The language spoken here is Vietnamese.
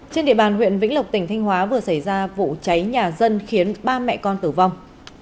trên địa bàn huyện vĩnh lộc tỉnh thanh hóa vừa xảy ra vụ cháy nhà dân khiến ba mẹ con tử vong